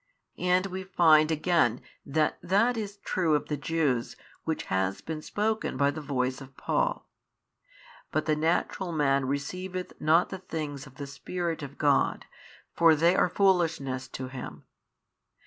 And we find again that that is true of the Jews which has been spoken by the voice of Paul, But the natural man receiveth not the things of the Spirit of God, |648 for they are foolishness to him.